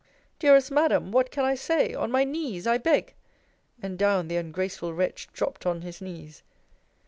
Dearest Madam, what can I say? On my knees I beg And down the ungraceful wretch dropped on his knees.